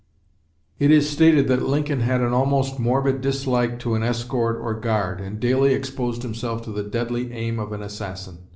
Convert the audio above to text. It is stated that Lincoln "had an almost morbid dislike to an escort, or guard, and daily exposed himself to the deadly aim of an assassin."